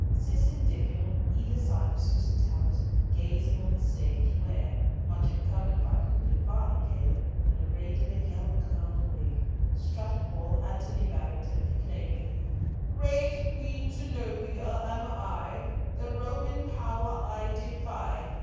Cis and Diccon, on either side of Susan Talbot, gazing on the stage, where, much encumbered by hoop and farthingale, and arrayed in a yellow curled wig, strutted forth Antony Babington, declaiming— "Great Queen Zenobia am I, The Roman Power I defy.